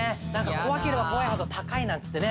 怖ければ怖いほど高いなんつってね。